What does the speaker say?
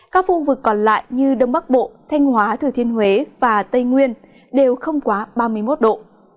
các khu vực còn lại như đông bắc bộ thanh hóa thừa thiên huế và tây nguyên đều không quá ba mươi một độ